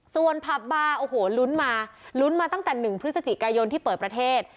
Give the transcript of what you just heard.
ส่วนผับบาร์โอ้โหลุ้นมาลุ้นมาตั้งแต่๑พฤศจิกายนที่เปิดประเทศ